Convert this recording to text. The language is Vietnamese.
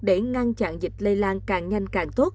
để ngăn chặn dịch lây lan càng nhanh càng tốt